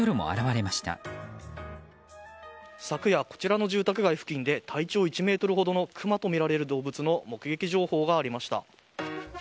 昨夜、こちらの住宅街付近で体長１ｍほどのクマとみられる動物の目撃情報がありました。